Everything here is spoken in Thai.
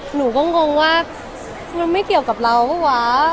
หนูก็งงว่ามันไม่เกี่ยวกับเราเปล่าวะ